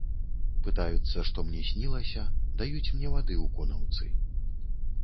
Пытаюцца, што мне снілася, даюць мне вады ў конаўцы.